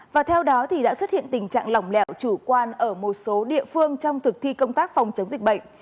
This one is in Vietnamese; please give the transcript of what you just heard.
và theo đó đã xuất hiện tình trạng lỏng lẻo chủ quan ở một số địa phương trong thực thi công tác phòng chống dịch bệnh